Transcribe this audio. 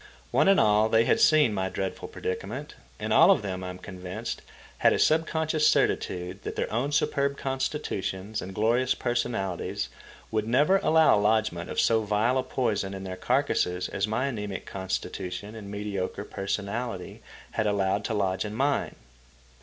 One and all, they had seen my dreadful predicament; and all of them, I am convinced, had a subconscious certitude that their own superb constitutions and glorious personalities would never allow lodgment of so vile a poison in their carcasses as my anæmic constitution and mediocre personality had allowed to lodge in mine.